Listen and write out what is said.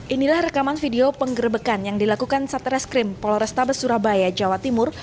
inilah rekaman video penggerebekan yang dilakukan satreskrim polresta besurabaya jawa timur